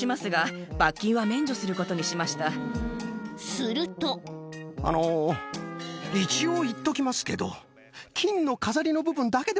するとあの一応言っときますけど。